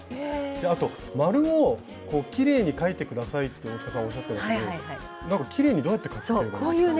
あと円をきれいに描いて下さいって大塚さんおっしゃってますけどきれいにどうやって描けばいいんですかね。